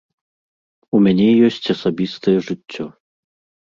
У мяне ёсць асабістае жыццё.